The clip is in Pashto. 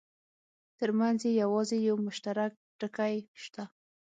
ترمنځ یې یوازې یو مشترک ټکی شته.